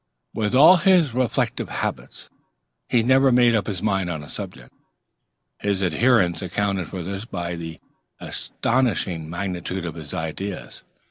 With all his reflective habits, he never made up his mind on a subject. His adherents accounted for this by the astonishing magnitude of his ideas.